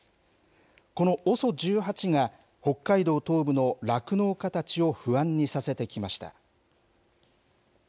このＯＳＯ１８が、北海道東部の酪農家たちを不安にさせてきました。